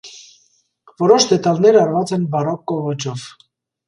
Որոշ դետալներ արված են բարոկկո ոճով։